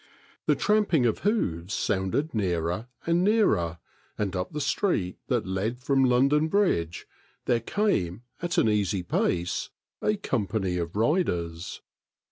The tramping of hoofs sounded nearer and nearer, and up the street that led from London Bridge there came at an easy pace a com pany of riders.